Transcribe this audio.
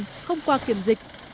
mà không qua kiểm dịch